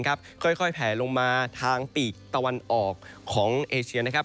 ค่อยแผลลงมาทางปีกตะวันออกของเอเชียนะครับ